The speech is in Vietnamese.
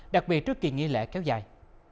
đặc biệt trước kỳ nghi lễ kéo dài